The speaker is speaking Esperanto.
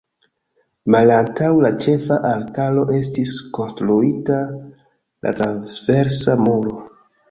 Malantaŭ la ĉefa altaro estis konstruita la transversa muro.